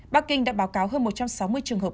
bắc kinh đã báo cáo hơn một trăm sáu mươi trường hợp